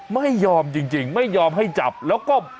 ไม่ยอมจริงไม่ยอมให้จับแล้วก็